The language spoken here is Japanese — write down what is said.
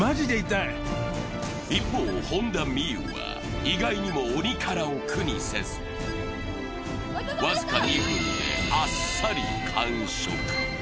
一方、本田望結は意外にも鬼辛を苦にせず、僅か２分であっさり完食。